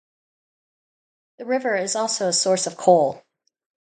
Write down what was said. The river is also a source of coal.